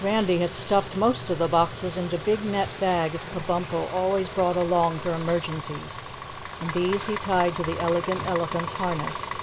Randy had stuffed most of the boxes into big net bags Kabumpo always brought along for emergencies, and these he tied to the Elegant Elephant's harness.